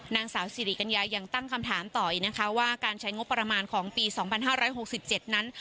นางสาวสิริกัญญายังตั้งคำถามต่ออีกนะคะว่าการใช้งบประมาณของปี๒๕๖๗นั้น